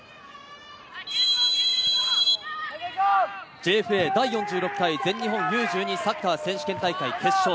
ＪＦＡ第４６回全日本Ｕ−１２サッカー選手権大会決勝。